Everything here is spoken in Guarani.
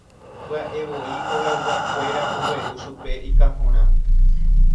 Py'aevoi hogayguakuéra ogueru chupe ikahõrã.